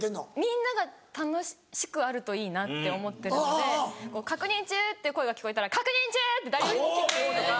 みんなが楽しくあるといいなって思ってるので「確認中」っていう声が聞こえたら「確認中！」って誰よりも大きく言おうとか。